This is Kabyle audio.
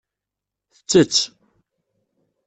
Tettett.